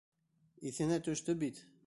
Иҫенә төштө бит.